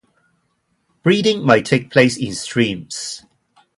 Breeding might take place in streams.